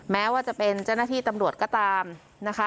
แม้ว่าจะเป็นเจ้าหน้าที่ตำรวจก็ตามนะคะ